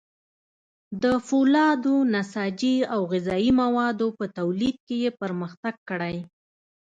د فولادو، نساجي او غذايي موادو په تولید کې یې پرمختګ کړی.